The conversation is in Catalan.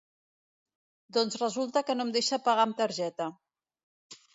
Doncs resulta que no em deixa pagar amb targeta.